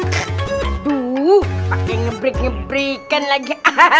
aduh pake ngebrek ngebrekan lagi